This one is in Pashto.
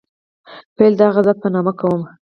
پیل د هغه ذات په نامه کوم.